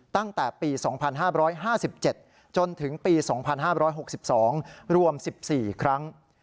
ตั้งแต่ปี๒๕๕๗จนถึงปี๒๕๖๒รวม๑๔ครั้ง